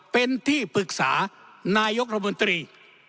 เป็นที่ปรึกษานายกระบนตรี